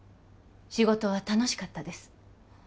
仕事は楽しかったです